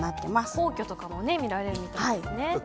皇居とかも見られるみたいですね。